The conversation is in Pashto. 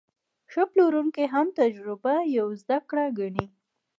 ښه پلورونکی هره تجربه یوه زده کړه ګڼي.